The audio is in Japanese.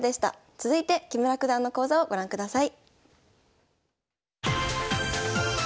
続いて木村九段の講座をご覧ください。